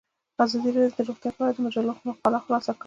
ازادي راډیو د روغتیا په اړه د مجلو مقالو خلاصه کړې.